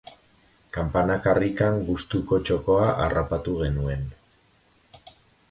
Campana karrikan gustuko txokoa harrapatu genuen.